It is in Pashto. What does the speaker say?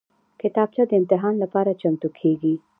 کتابچه د امتحان لپاره چمتو کېږي